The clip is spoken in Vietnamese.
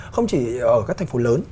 không chỉ ở các thành phố lớn